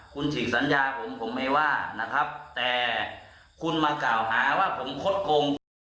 คุณฉีกสัญญาผมผมไม่ว่านะครับแต่คุณมากล่าวหาว่าผมคดโกง